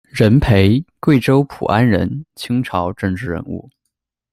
任培，贵州普安人，清朝政治人物。